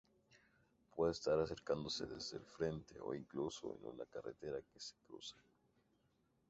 Puede estar acercándose desde el frente, o incluso en una carretera que se cruza.